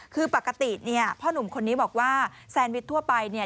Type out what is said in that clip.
คือปกติเนี่ยพ่อหนุ่มคนนี้บอกว่าแซนวิชทั่วไปเนี่ย